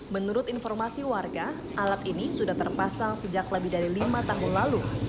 menurut informasi warga alat ini sudah terpasang sejak lebih dari lima tahun lalu